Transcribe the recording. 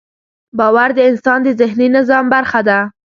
باور د انسان د ذهني نظام برخه ده.